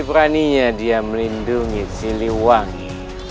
berani dia melindungi siliwangi